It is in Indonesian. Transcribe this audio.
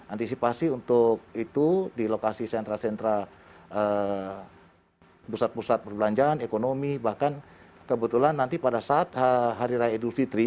antisipasi untuk itu di lokasi sentra sentra pusat pusat perbelanjaan ekonomi bahkan kebetulan nanti pada saat hari raya idul fitri